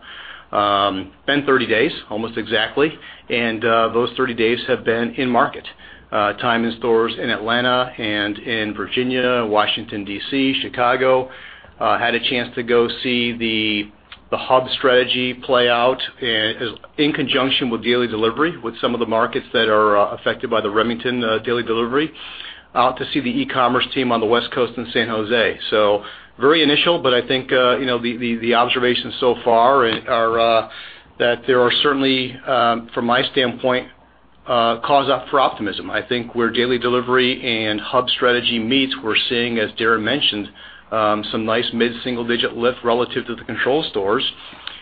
Been 30 days, almost exactly, those 30 days have been in market. Time in stores in Atlanta and in Virginia, Washington, D.C., Chicago. Had a chance to go see the hub strategy play out in conjunction with daily delivery with some of the markets that are affected by the Remington daily delivery, out to see the e-commerce team on the West Coast in San Jose. Very initial, but I think, the observations so far are that there are certainly, from my standpoint, cause for optimism. I think where daily delivery and hub strategy meets, we're seeing, as Darren mentioned, some nice mid-single-digit lift relative to the control stores.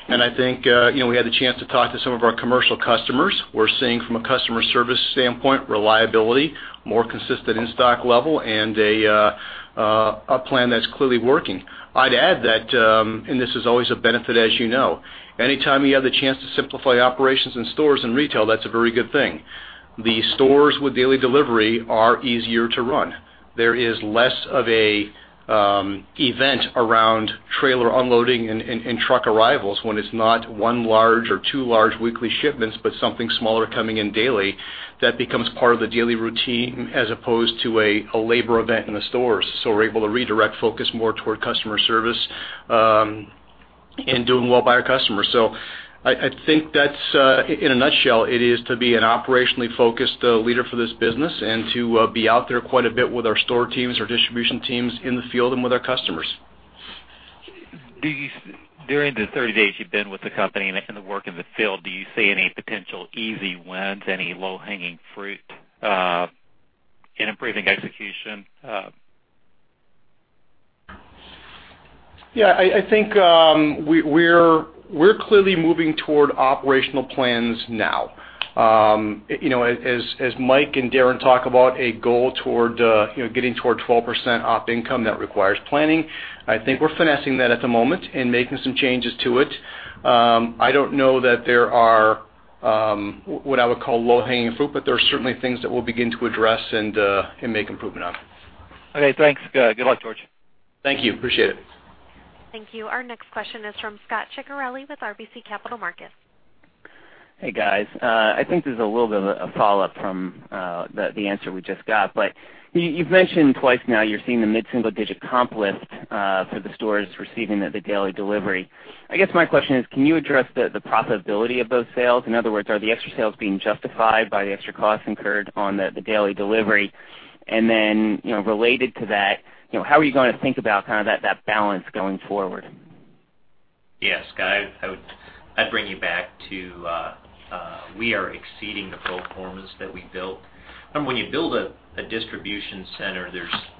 I think we had the chance to talk to some of our commercial customers. We're seeing from a customer service standpoint, reliability, more consistent in-stock level, and a plan that's clearly working. I'd add that, this is always a benefit as you know, anytime you have the chance to simplify operations in stores and retail, that's a very good thing. The stores with daily delivery are easier to run. There is less of an event around trailer unloading and truck arrivals when it's not one large or two large weekly shipments, but something smaller coming in daily. That becomes part of the daily routine as opposed to a labor event in the stores. We're able to redirect focus more toward customer service and doing well by our customers. I think that in a nutshell, it is to be an operationally-focused leader for this business and to be out there quite a bit with our store teams, our distribution teams in the field and with our customers. During the 30 days you've been with the company and the work in the field, do you see any potential easy wins, any low-hanging fruit in improving execution? Yeah, I think we're clearly moving toward operational plans now. As Mike and Darren talk about a goal toward getting toward 12% op income, that requires planning. I think we're finessing that at the moment and making some changes to it. I don't know that there are what I would call low-hanging fruit, but there are certainly things that we'll begin to address and make improvement on. Okay, thanks. Good luck, George. Thank you. Appreciate it. Thank you. Our next question is from Scot Ciccarelli with RBC Capital Markets. Hey, guys. I think this is a little bit of a follow-up from the answer we just got. You've mentioned twice now you're seeing the mid-single-digit comp lift for the stores receiving the daily delivery. I guess my question is, can you address the profitability of those sales? In other words, are the extra sales being justified by the extra costs incurred on the daily delivery? Related to that, how are you going to think about that balance going forward? Yes, Scot, I'd bring you back to, we are exceeding the pro formas that we built. When you build a distribution center,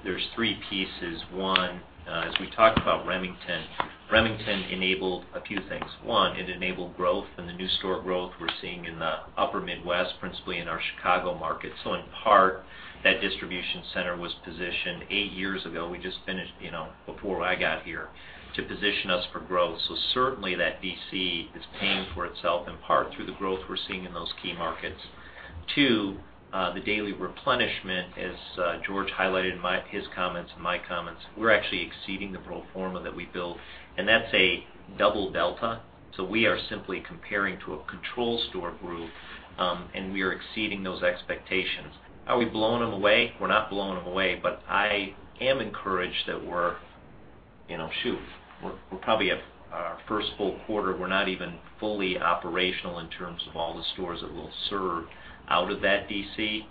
there's three pieces. One, as we talked about Remington enabled a few things. One, it enabled growth and the new store growth we're seeing in the upper Midwest, principally in our Chicago market. In part, that distribution center was positioned eight years ago, we just finished before I got here, to position us for growth. Certainly that DC is paying for itself, in part through the growth we're seeing in those key markets. Two, the daily replenishment, as George highlighted in his comments and my comments, we're actually exceeding the pro forma that we built, and that's a double delta. We are simply comparing to a control store group, and we are exceeding those expectations. Are we blowing them away? We're not blowing them away, but I am encouraged that we're probably at our first full quarter, we're not even fully operational in terms of all the stores that we'll serve out of that DC,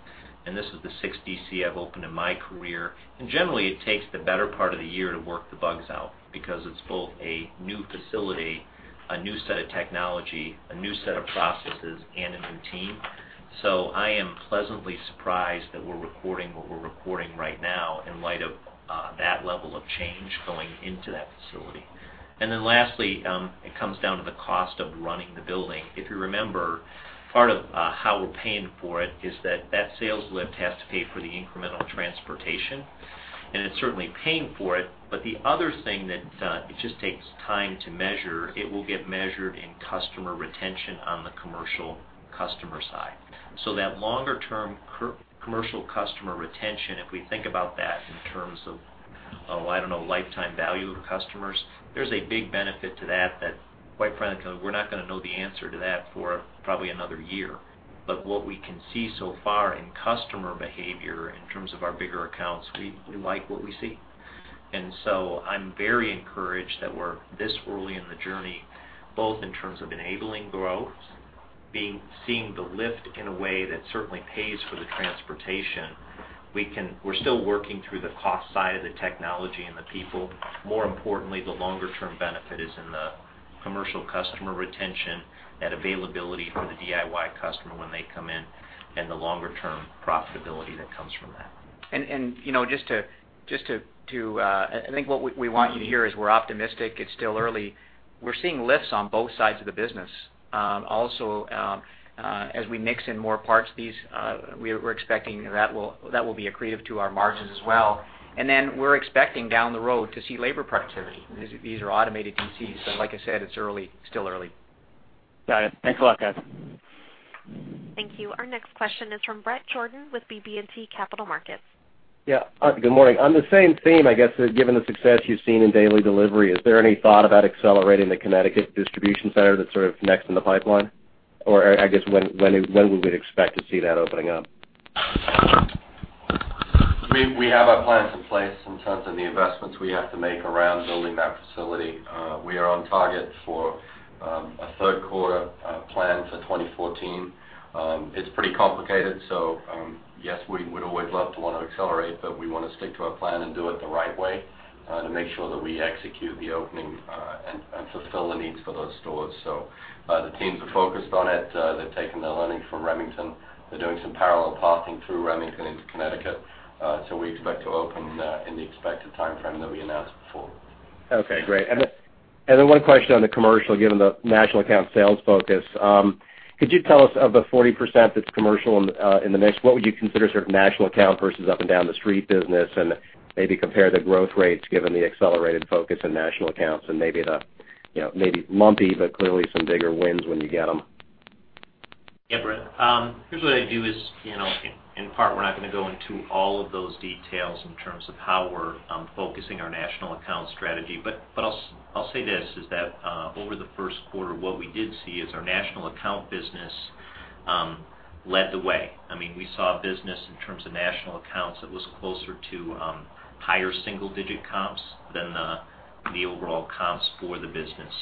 and this is the sixth DC I've opened in my career. Generally, it takes the better part of the year to work the bugs out because it's both a new facility, a new set of technology, a new set of processes, and a new team. I am pleasantly surprised that we're reporting what we're reporting right now in light of that level of change going into that facility. Lastly, it comes down to the cost of running the building. If you remember, part of how we're paying for it is that that sales lift has to pay for the incremental transportation, and it's certainly paying for it. The other thing that it just takes time to measure, it will get measured in customer retention on the commercial customer side. That longer-term commercial customer retention, if we think about that in terms of lifetime value of the customers, there's a big benefit to that that, quite frankly, we're not going to know the answer to that for probably another year. What we can see so far in customer behavior in terms of our bigger accounts, we like what we see. I'm very encouraged that we're this early in the journey, both in terms of enabling growth, seeing the lift in a way that certainly pays for the transportation. We're still working through the cost side of the technology and the people. More importantly, the longer-term benefit is in the commercial customer retention, that availability for the DIY customer when they come in, and the longer-term profitability that comes from that. I think what we want you to hear is we're optimistic, it's still early. We're seeing lifts on both sides of the business. As we mix in more parts, we're expecting that will be accretive to our margins as well. We're expecting down the road to see labor productivity. These are automated DCs, but like I said, it's still early. Got it. Thanks a lot, guys. Thank you. Our next question is from Bret Jordan with BB&T Capital Markets. Good morning. On the same theme, I guess, given the success you've seen in daily delivery, is there any thought about accelerating the Connecticut distribution center that next in the pipeline? I guess, when would we expect to see that opening up? We have our plans in place in terms of the investments we have to make around building that facility. We are on target for a third quarter plan for 2014. It's pretty complicated, yes, we'd always love to want to accelerate, we want to stick to our plan and do it the right way to make sure that we execute the opening and fulfill the needs for those stores. The teams are focused on it. They're taking their learnings from Remington. They're doing some parallel pathing through Remington into Connecticut. We expect to open in the expected timeframe that we announced before. Okay, great. Then one question on the commercial, given the national account sales focus. Could you tell us of the 40% that's commercial in the mix, what would you consider national account versus up and down the street business? Maybe compare the growth rates given the accelerated focus in national accounts and maybe lumpy, but clearly some bigger wins when you get them. Bret. Here's what I do is, in part, we're not going to go into all of those details in terms of how we're focusing our national account strategy. I'll say this, is that, over the first quarter, what we did see is our national account business led the way. We saw business in terms of national accounts that was closer to higher single-digit comps than the overall comps for the business.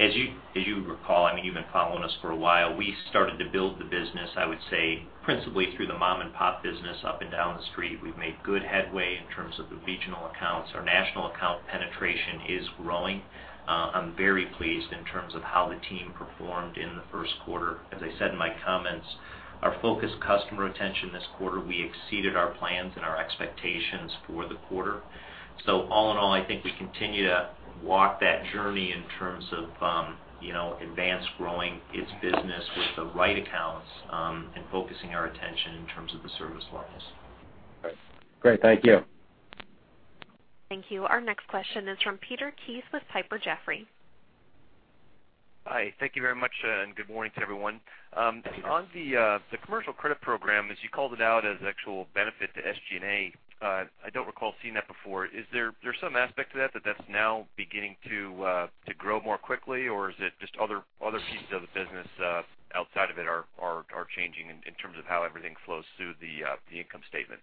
As you recall, you've been following us for a while, we started to build the business, I would say, principally through the mom-and-pop business up and down the street. We've made good headway in terms of the regional accounts. Our national account penetration is growing. I'm very pleased in terms of how the team performed in the first quarter. As I said in my comments, our focus customer retention this quarter, we exceeded our plans and our expectations for the quarter. All in all, I think we continue to walk that journey in terms of Advance growing its business with the right accounts, and focusing our attention in terms of the service levels. Great. Thank you. Thank you. Our next question is from Peter Benedict with Piper Jaffray. Hi, thank you very much and good morning to everyone. On the commercial credit program, as you called it out as an actual benefit to SGA, I don't recall seeing that before. Is there some aspect to that that's now beginning to grow more quickly, or is it just other pieces of the business outside of it are changing in terms of how everything flows through the income statement?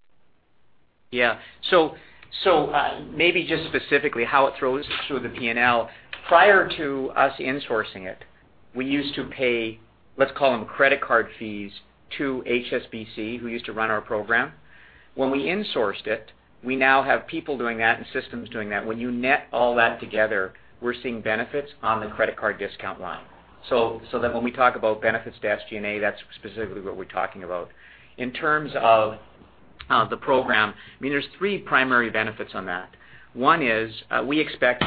Yeah. Maybe just specifically how it flows through the P&L. Prior to us insourcing it We used to pay, let's call them credit card fees, to HSBC, who used to run our program. When we insourced it, we now have people doing that and systems doing that. When you net all that together, we're seeing benefits on the credit card discount line. When we talk about benefits to SG&A, that's specifically what we're talking about. In terms of the program, there's three primary benefits on that. One is we expect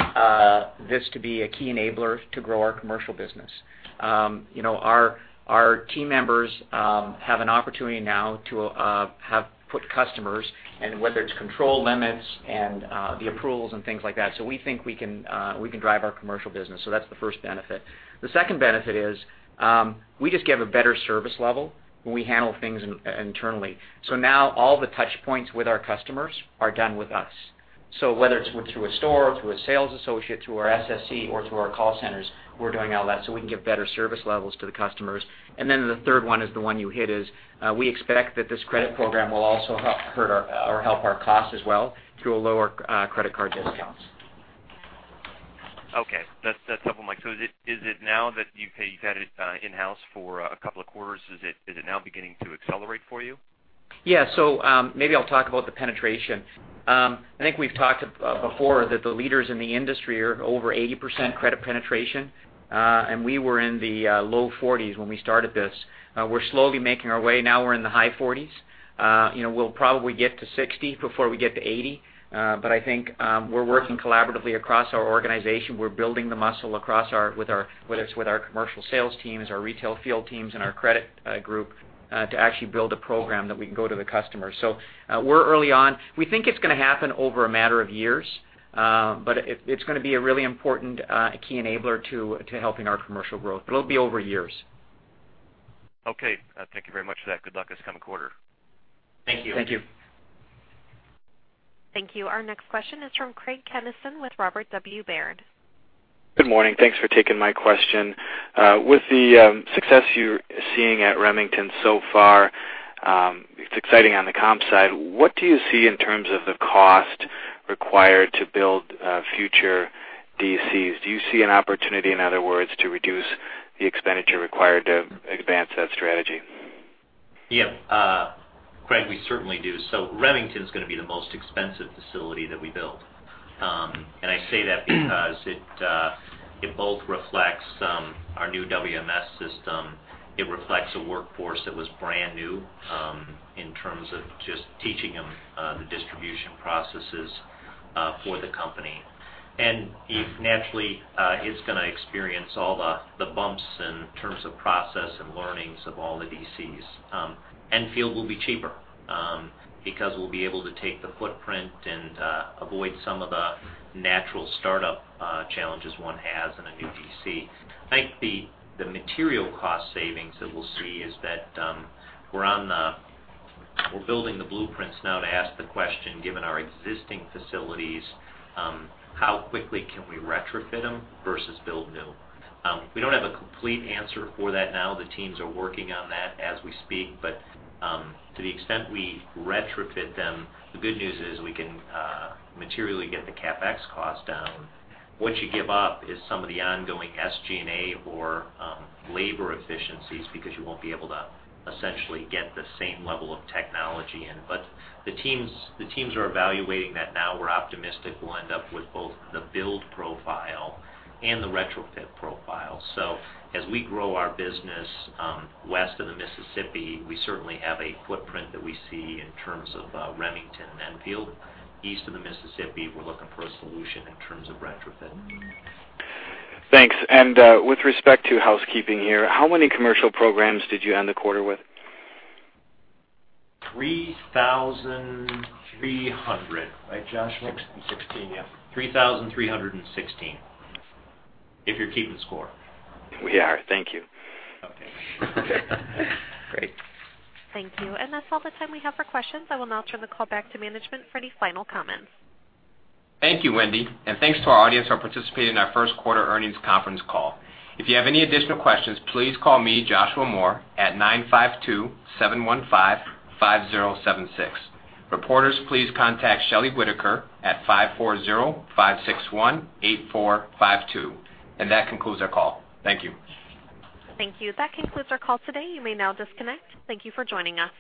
this to be a key enabler to grow our commercial business. Our team members have an opportunity now to put customers and whether it's control limits and the approvals and things like that. We think we can drive our commercial business. That's the first benefit. The second benefit is we just give a better service level when we handle things internally. Now all the touch points with our customers are done with us. Whether it's through a store, through a sales associate, through our SSC or through our call centers, we're doing all that so we can give better service levels to the customers. The third one is the one you hit is, we expect that this credit program will also help our cost as well through lower credit card discounts. Okay. That's helpful, Mike. Is it now that you've had it in-house for a couple of quarters, is it now beginning to accelerate for you? Yeah. Maybe I'll talk about the penetration. I think we've talked before that the leaders in the industry are over 80% credit penetration. We were in the low 40s when we started this. We're slowly making our way. Now we're in the high 40s. We'll probably get to 60 before we get to 80. I think we're working collaboratively across our organization. We're building the muscle whether it's with our commercial sales teams, our retail field teams, and our credit group, to actually build a program that we can go to the customer. We're early on. We think it's going to happen over a matter of years. It's going to be a really important key enabler to helping our commercial growth, but it'll be over years. Okay. Thank you very much for that. Good luck this coming quarter. Thank you. Thank you. Our next question is from Craig Kennison with Robert W. Baird. Good morning. Thanks for taking my question. With the success you're seeing at Remington so far, it's exciting on the comp side. What do you see in terms of the cost required to build future DCs? Do you see an opportunity, in other words, to reduce the expenditure required to advance that strategy? Yep. Craig, we certainly do. Remington's going to be the most expensive facility that we build. I say that because it both reflects our new WMS system. It reflects a workforce that was brand new, in terms of just teaching them the distribution processes for the company. Naturally, it's going to experience all the bumps in terms of process and learnings of all the DCs. Enfield will be cheaper, because we'll be able to take the footprint and avoid some of the natural startup challenges one has in a new DC. I think the material cost savings that we'll see is that we're building the blueprints now to ask the question, given our existing facilities, how quickly can we retrofit them versus build new? We don't have a complete answer for that now. The teams are working on that as we speak, to the extent we retrofit them, the good news is we can materially get the CapEx cost down. What you give up is some of the ongoing SG&A or labor efficiencies because you won't be able to essentially get the same level of technology in. The teams are evaluating that now. We're optimistic we'll end up with both the build profile and the retrofit profile. As we grow our business west of the Mississippi, we certainly have a footprint that we see in terms of Remington and Enfield. East of the Mississippi, we're looking for a solution in terms of retrofitting. Thanks. With respect to housekeeping here, how many commercial programs did you end the quarter with? 3,300. Right, Joshua? 16, yeah. 3,316. If you're keeping score. We are. Thank you. Okay. Great. Thank you. That's all the time we have for questions. I will now turn the call back to management for any final comments. Thank you, Wendy, and thanks to our audience who participated in our first quarter earnings conference call. If you have any additional questions, please call me, Joshua Moore, at 952-715-5076. Reporters, please contact Shelley Whitaker at 540-561-8452. That concludes our call. Thank you. Thank you. That concludes our call today. You may now disconnect. Thank you for joining us.